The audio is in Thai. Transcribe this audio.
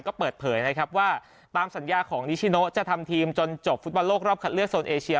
ก็เปิดเผยนะครับว่าตามสัญญาของนิชิโนจะทำทีมจนจบฟุตบอลโลกรอบคัดเลือกโซนเอเชีย